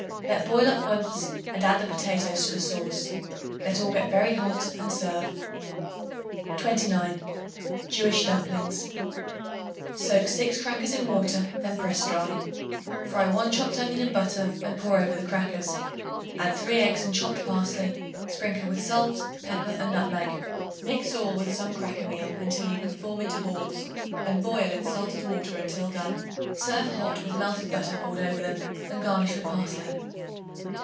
Let boil up once and add the potatoes to the sauce. Let all get very hot and serve. 29. Jewish Dumplings. Soak 6 crackers in water; then press dry. Fry 1 chopped onion in butter and pour over the crackers. Add 3 eggs and chopped parsley; sprinkle with salt, pepper and nutmeg. Mix all with some cracker meal until you can form into balls and boil in salted water until done. Serve hot with melted butter poured over them, and garnish with parsley.